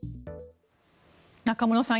中室さん